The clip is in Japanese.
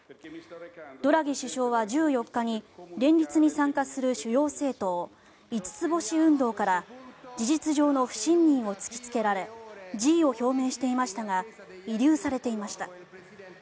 ドラギ首相は１４日に連立に参加する主要政党、五つ星運動から事実上の不信任を突きつけられ辞意を表明していましたが慰留されていました。